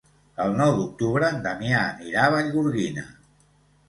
El nou d'octubre en Damià anirà a Vallgorguina.